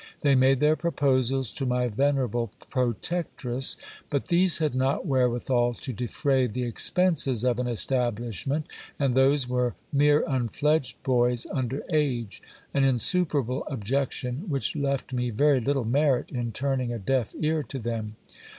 They made their proposals to my venerable protectress ; but these had not wherewithal to defray the expenses of an establishment, and those were mere unfledged boys under age; an insuperable objection, which left me very little merit in turning a deaf ear to them.